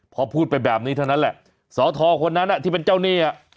พอพูดไปแบบนี้เท่านั้นแหละสอทอคนนั้นที่เป็นเจ้าหนี้